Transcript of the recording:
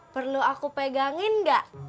perlu aku pegangin gak